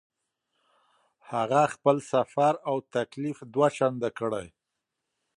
هغه خپل سفر او تکلیف دوه چنده کړی.